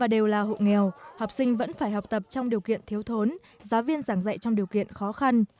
đều là hộ nghèo học sinh vẫn phải học tập trong điều kiện thiếu thốn giáo viên giảng dạy trong điều kiện khó khăn